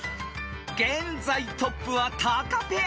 ［現在トップはタカペア。